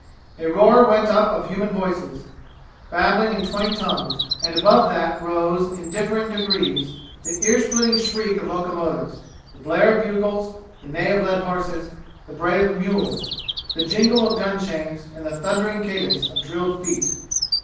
A roar went up of human voices, babbling in twenty tongues, and above that rose in differing degrees the ear splitting shriek of locomotives, the blare of bugles, the neigh of led horses, the bray of mules, the jingle of gun chains and the thundering cadence of drilled feet.